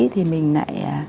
thì mình lại